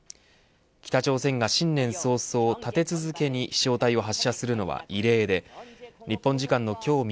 北朝鮮が新年早々、立て続けに飛翔体を発射するのは異例で日本時間の今日